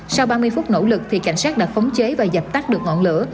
sau ba mươi phút nỗ lực cảnh sát đã phóng chế và dập tắt được ngọn lửa